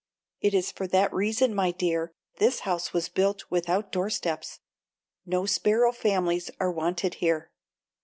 It is for that reason, my dear, this house was built without doorsteps. No sparrow families are wanted here."